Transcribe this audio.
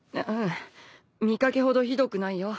見かけほどひどくないよたぶん。